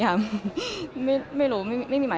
อเรนนี่มีหลังไม้ไม่มี